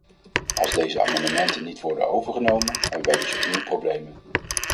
Als deze amendementen niet worden overgenomen, hebben wij dus opnieuw problemen.